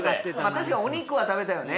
確かにお肉は食べたいよね